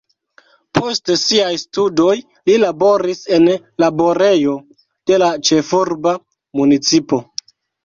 Post siaj studoj li laboris en laborejo de la ĉefurba municipo.